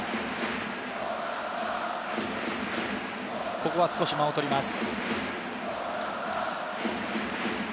ここは少し間をとります。